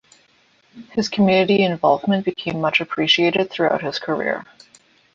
His community involvement became much appreciated throughout his career.